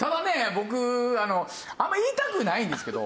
僕あんま言いたくないんですけど。